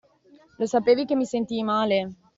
Lo sapevi che mi sentii male?